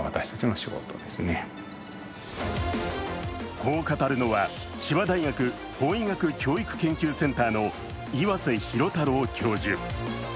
こう語るのは、千葉大学法医学教育研究センターの岩瀬博太郎教授。